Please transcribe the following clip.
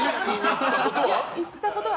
言ってたことは？